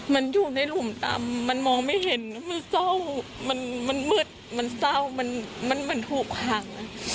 มันอยู่ในหลุมตำมันมองไม่เห็นมันเศร้ามันมืดมันเศร้ามันถูกห่าง